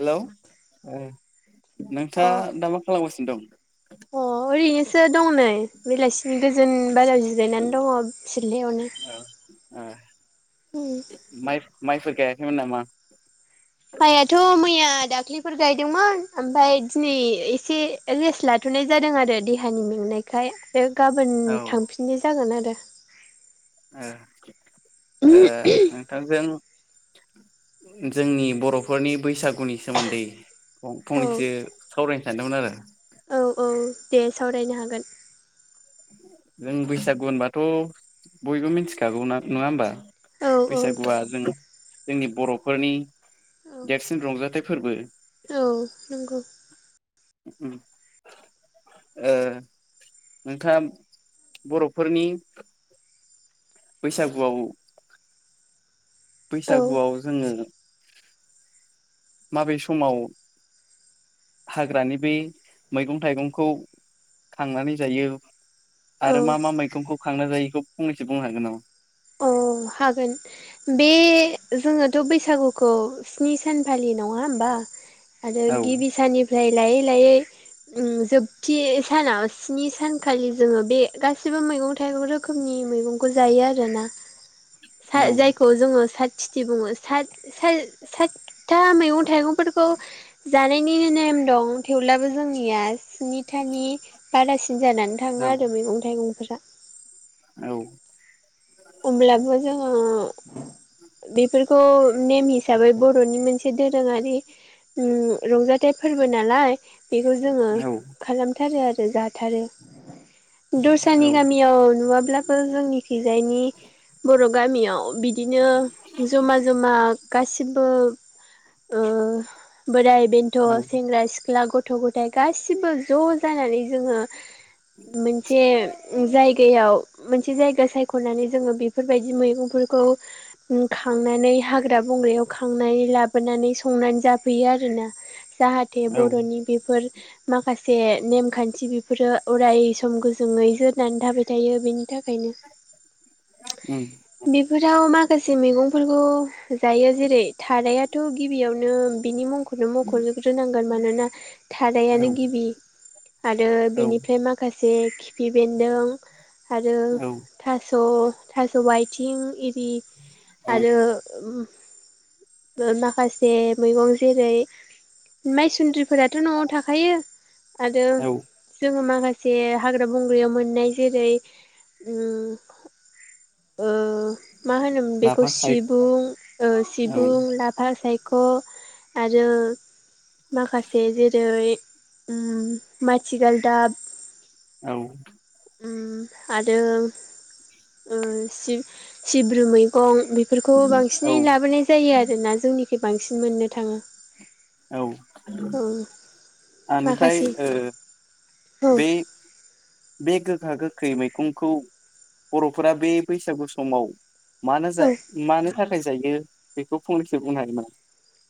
Hello उम अ नोंथाङा दा मा खालामगासिनो दं। सो दं नै बेलासि गोजोन बाजाराव जिरायनानै दङ सिरलयावनो। ओ। उम। माइ माइफोर खायाखैमोन नामा? माइआथ' मैया दाख्लिफोर गायदोंमोन ओमफाय दिनै एसे रेस्ट लाथ'नाय जादों आरो देहानिनो बेनिखाय अ गाबोन औ ओ थांफिननाय जागोन आरो। उम ओ नोंथां जों जोंनि बर'फोरनि बैसागुनि सोमोन्दै फं औ फंनैसो सावरायनो सानदोंमोन आरो। औ औ दे सावरायनो हागोन। नों बैसागु होनबाथ' बयबो मिथिखागौ ना नङा होमबा? औ औ बैसागुआ जों जोंनि बर'फोरनि औ देरसिन रंजाथाइ फोर्बो। औ नंगौ उम ओ। नोंथाङा बर'फोरनि बैसागुआव औ बैसागुआव जोङो। माबे समाव हाग्रानि बे मैगं थाइगंखौ खांनानै जायो। औ आरो मा मा मैगंखौ खांना जायो इखौ फंनैसो बुंनो हागोन नामा? औ हागोन बे जोङो बे बैसागुखौ स्नि सानफालि ना होमबा आरो औ गिबि साननिफ्राय लायै लायै जोबथि सानाव स्नि सानखालि जोङो बे गासिबो मैगं थाइगं रोखोमनि मैगंखौ जायो आरोना औ जायखौ जोङो खिथि बुङो सातथा मैगं थाइगंफोरखौ जानायनि नेम दं थेवब्लाबो जोंनिया स्निथानि बारासिन जानानै थाङो औ आरो मैगं थाइगंफोरा। औ अब्लाबो जोङो बेफोरखौ नेम हिसाबै बर'नि मोनसे दोरोङारि रंजाथाइ फोरबो नालाय बेखौ जोङो औ खालामथारो आरो जाथारो दस्रानि गामियाव नुवाब्लाबो जोंनि थिंजायनि बर' गामियाव बिदिनो जमा जमा गासिबो ओ बोराइ बेन्थ' औ सेंग्रा सिख्ला गथ' गथ' गथाय गासिबो ज' जानानै जोङो मोनसे जाय गायाव मोनसे जायगा सायख'नानै जोङो बेफोरबायदि मैगंफोरखौ खांनानै हाग्रा बंग्रायाव खांनानै लाबोनानै संनानै जाफैयो आरोना जाहाथे औ बर'नि बेफोर माखासे जे नेमखान्थि बेफोरो अराय सम गोजोै जोरनानै थाबाय थायो बेनि थाखायनो उम बेफोराव मा माखासे मैगंफोरखौ जायो जेरै थारायथ' गिबियावनो बिनि मुंखौ नो मख'जोबग्रोनांगोन मानोना औ थारायानो गिबि आरो औ बिनिफ्राय माखासे एसे खिफि बेन्दों आरो औ थास' थास' आथिं औ आरो माखासे मैगं जेरै माइसुन्द्रि फोराथ' न'आव थाखायो आरो औ जोङो माखासे माखासे हाग्रा बंग्रायाव मोननाय जेरै ओ मा होनोमोन बेखौ लाफा सायख सिबुं ओ औ सिबुं लाफा साय ख' आरो माखासे जेरै उम माथि गालदाब औ उम आरो सिब्रु मैगं बेफोरखौ औ बांसिनै लाबोनाय जायो आरोना जोंनिखि बांसिन मोननो थाङो औ औ आंनिफ्राय माखासे ओ औ बे गो खा गोखै मैखंखौ बर'फोरा बे बैसागु समाव मानो औ मानो थाखाय जायो बेखौ फंनैसो बुंनो हागोन नामा?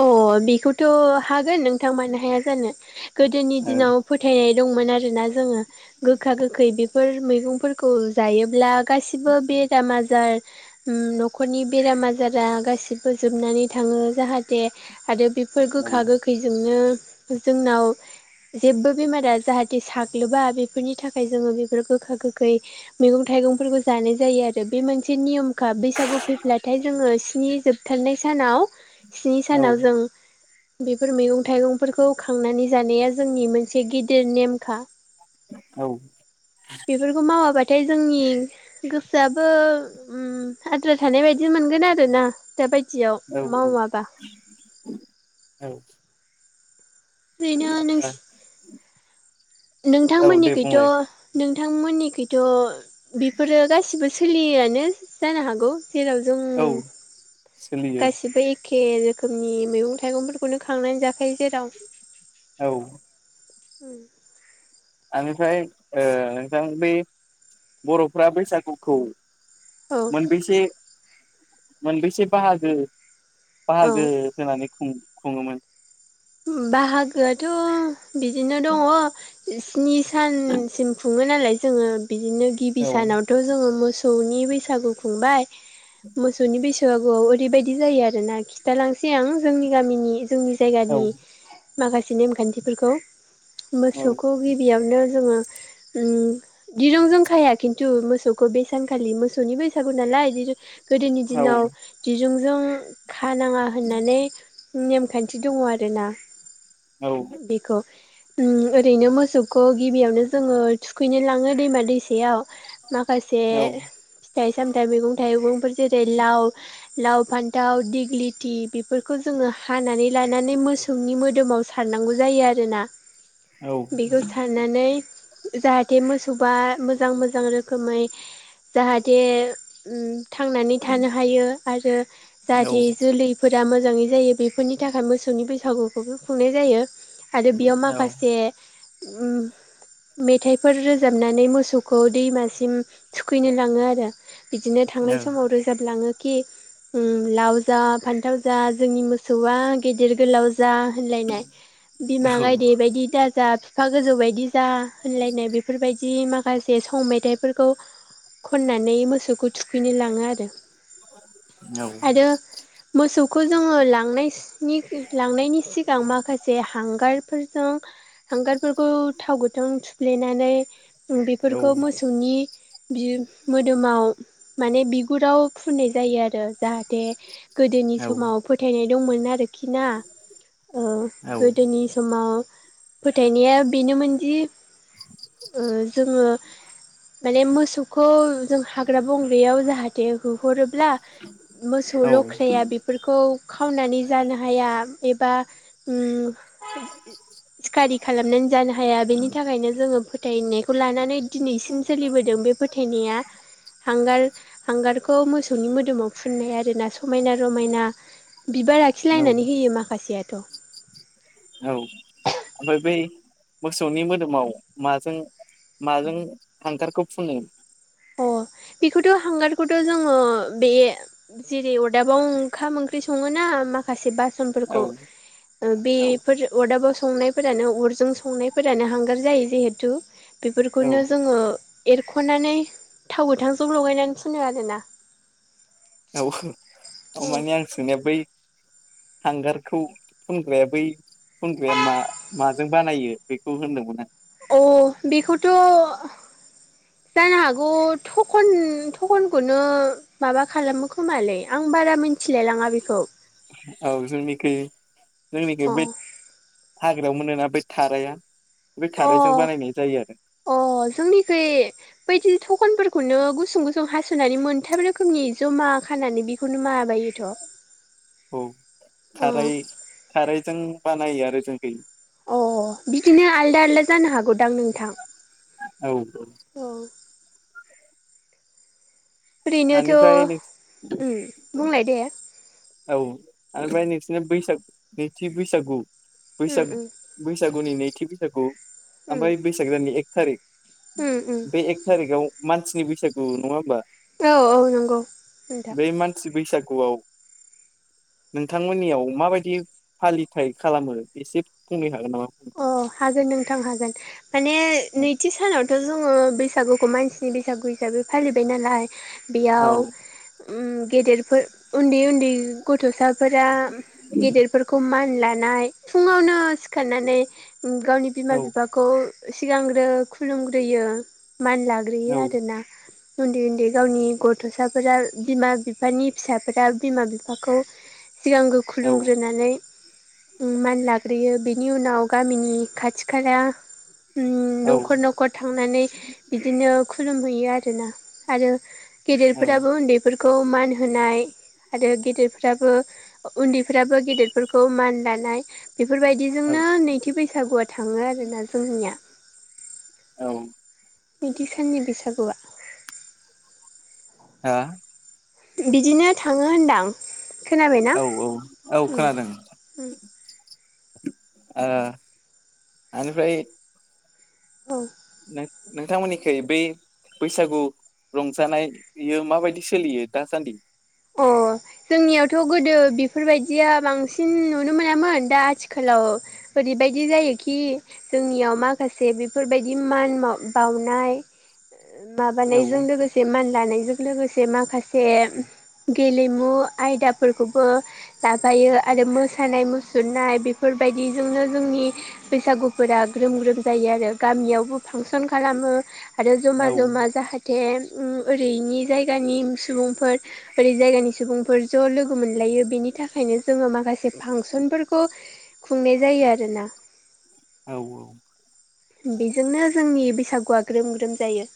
अ बेखौथ' हागोन नोंथां मानो हाया जानो गोदोनि नामा? दिनाव फोथायनाय दंमोन आरोना जोङो गोखा गोखै फोर मैगंफोरखौ जायोब्ला गासिबो बेराम आजार न'खरनि बेराम आजारा गासिबो जोबनानै थाङो जाहाथे दे आरो बेफोर ओ गोखा गोखैजोंनो जोंनाव जेबो बेमारा जाहाथे साग्लोबा बेफोरनि थाखाय जोङो बेफोर गोखा गोखै मैगं थाइगं थाइगंफोरखौ जानाय जायो आरो बे मोनसे नियम खा बैसागु फैब्लाथाय जोङो स्नि जोबथारनाय सानाव स्नि औ सानाव जों बेफोर मैगं थाइगंफोरखौ खांनानै जानाया जोंनि मोनसे गिदिर नेमखा बेफोरखौ मावाबा थाय जोंनि गोसोआबो आद्रा थानाय बायदि मोनगोन आरोना दा बाय दियाव औ मावा औ ओरैनो नों औ दे थांमोननिखैथ बुंलाय नों थांमोननिखैथ बेफोरो गासिबो सोलियोआनो जानो हागौ जेराव जों औ सोलियो गासिबो एखे एखे रोखोमनि मैगं थाइगंफोरखौनो खांनानै जाखायो जेराव औ उम आंनिफ्राय ओ नोंथां बे बर'फ्रा बैसागुखौ औ मोनबेसे मोनबेसे बाहागो औ बाहागो होनानै खुं खुङोमोन। उम बाहागोआथ' बिदिनो दङ इस स्नि सानसिम खुङो नालाय जोङो बिदिनो गिबि औ सानावथ' जोङो मोस सौनि बैसागु खुंबाय मोसौनि बैस सागुआव ओरैबायदि जायो आरोना खिथालांसै आं जोंनि गामिनि जोंनि औ जायगानि माखासे नेमखान्थिफोरखौ औ मोसौखौ गिबियावनो ज जोङो उम दिरुंजों खाया खिन्थु मोसौखौ बे सानखालि मोसौनि बैसागु नालाय लाय दिरु गोदोनि औ दिनाव दिरुंजों खानाङा होननानै उम नेमखान्थि दङ आरो ना औ बेखौ उम ओरैनो मोसौखौ गिबियावनो जोङो थुखैनो लाङो दैमा दैसायाव माखासे औ फिथाइ सामथाइ मैगं थाइगंफोर जेरै लाव लाव फान्थाव दिग्लिथि बेफोरखौ जोङो हानानै लानानै मोस सौनि मोदोमाव सारनांगौ जायो आरोना औ बेखौ सारनानै ओ जाहाथे मोसौ बा मोजां मोजां रोखोमै जाहाथे उम थांनानै थानो हायो आरो औ जाहाथे जोलैफोरा आ‌ मोजांङै जायो बेफोरनि थाखाय मोसौनि बैसागुखौबो खुंनाय जायो आरो बेयाव माखासे उम मेथाइफोर रोजाबनानै मोसौखौ दैमासिम थुखैनो लाङो आरो बिदिनो थांनाय समाव रोजाब लाङो खि उम लाव जा फान्थाव जा जोंनि मोसौआ गेदेर गोलाव जा होनलायनाय बिमा गायदे बायदि दाजा फिफा गोजौ बायदिज जा होनलायनाय बेफोरबायद दि माखासे सं मेथायफोरखौ खननानै मोसौखौ थुखैनो लाङो आरो आरो मोसौ खौ जोङो लांनाय स्नि ओ लांनायनि सिगां माखासे हां हांगारफोरजों हांगारफोरखौ थाव गोथां थुफ्लेनानै उम बेफोरखौ मोसौनि बिम मोदोमाव माने बिख पुराव फुननाय जायो आरो जाहाथे गोदोनि समाव फोथायनाय दंमोन आरोखि ना औ गोदोनि समाव फोथायनाया बेनोमोनदि ओ जोङो माने मोसौखौ जों हाग्रा बंग्रायाव जाहाथे हो हरोब्ला मोसौ लख्राया बेफोरखौ खावनानै जानो हाया। एबा उम सिकारि खालामनानै जानो हाया बेनि थाखायनो जोङो फोथायनायखौ लानानै दिन नैसोम सोलिबोदों बे फोथायनाया हांगार हांगार खौ मोसौनि मोदोमाव फुननाय आरोना समायना रमायना बिबार आखिलायनानै होयो माख औ ओमफाय बे बे मोसौनि मोदोमाव माजों माजों हांगारखौ फुनो? अ बेखौथ' हांगारखौथ' जोङो बे जेरै अरदाबाव ओंखाम ओंख ख्रि संओ ना माखासे बासन औ फोरखौ ओ औ बेफोर अदाबाव स संनायफोरानो अरजों संनायफोरानो हांगार जायो जिहेथु बेफोरखौनो औ जोंङो एरख'नानै थाव गोथांजों लगायनानै फुनो आरोना औ अ माने आं सोंनाया बै हांगारखौ फुनग्राया बै फुनग्राया मा माजों बानायो बेखौ होनदोंमोन आं अ बिखौथ जानो हागौ थखन थखनखौनो माबा खालामो खोमालै आं बारा मिथिलाय लांङा बेखौ औ जोंनिखै जोंनिखौ अ बै याव मोनोना बै थाराया बे अ थारायजों बानायनाय जायो आरो अ जोंनिखै बैयदि थखनफोर खौनो गुसुं गुसुं हसनानै मोनथाम रोखोमनि जमा खानानै बेखौनो मा औ अ थाराय थारायजों बानायो आरो जों बे अ बिदिनो आलदा आलदा जानो हागौदां नोंथां। औ औ ओरैनोथ बेनिफ्राय उ बुंलाय दे औ ओमफ्राय नोंसिनि बैसागु नैथि बैसागु उम बैसागु उम बैसागु गुनि नैथि बैसागु उम ओमफ्राय बैसाग दाननि एक थारिक उम उम बे एक थारिकआव मानसिनि बैसागु नंङा होमबा औ औ नंगौ नोंथां गुवाव नोंथांमोननियाव माबायदि फालिथाय खालामो एसे बुंनो हागोन नामा? अ हागोन नोंथां हागोन माने नैथि सानाव थ जोङो बैसागुखौ मानसिनि बैसागु हिसाबै फालिबाय नालाय औ बेयाव गेदेरफोर उन्दै उन्दै गथसा फोर गेदेरफोरखौ मान लानाय फुंङावनो सिखारनानै गावनि औ बिमा-बिफाखौ सिगांग्रो खुलुमग्रोयो। मान लाग्रोयो औ आरोना उन्दै उन्दै गावनि गथसाफोरा बिमा-बिफानि फिसाफोरा बिमा-बिफाखौ सिगांग्रो औ खुलुमग्रोनानै मान लाग्रोयो बिनि उनाव गामिनि खाथि खाला उ औ न'खर न'खर थांनानै बिदिनो खुलुमहैयो आरो ना आरो औ गेदेरफोराबो उन्दैफोरखौ मान होनाय आरो गेदेरफ्राबो उन्दैफ्राबो गेदेरफोरखौ मान लानाय औ बेफोरबायदिजोंनो नैथि बैसागुआ थांङो आरोना जोंनिया औ नैथि साननि बैसागुआ हा बिदिनो थांङो होनदां खोनाबायना औ औ औ खोनादों ओ इनिफ्राय औ नोंथांमोननिखै बै बैसागु रंजानाययो माबायदि सोलियो दासान्दि अ जोंनियावथ गोदो बेफोरबायदिया बांसिन नुनो मोनामोन दा आथिखालाव ओरैबायदि जायोखि जोंनियाव माखासे बेफोरबायदि इमान बावनाय [unintelligible] औ माबानायजों लोगोसे मान लानायजों लोगोसे माखासे गेलेमु आयदाफोरखौबो लाबायो आरो मोसानाय मुसुरनाय बेफोरबाय दिजोंनो जोंनि बैसागुफोरा ग्रोम ग्रोम जायो आरो गामियावबो फांसन खालामो। आरो जमा जमा जाहाथे उ ओरैनि जायगानि सुबुंफोर बोरै जायगानि सुबुंफोर ज' लोगो मोनलायो बेनि थाखायनो जोङो माखासे फांसनफोरखौ खुंनाय जायो आरोना औ औ बेजोंनो जोंनि बैसागुआ ग्रोम ग्रोम जायो।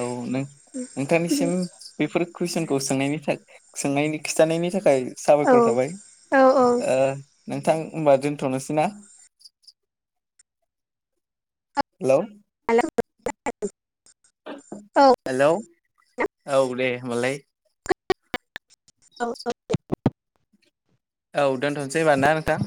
औ नों नोंथांनिसिम बेफोर कुइसनखौ सोंनायनिफ्राय सोंनायनि खिथानायनि थाखा खाय औ साबायखर थाबाय औ औ ओ नोंथां होनबा दोनथ'नोसै ना? हेल' [unintelligible] हेलौ औ दे होमबालाय। औ औ [unintelligible] औ दोनथ'नोसैबा ना नोंथां?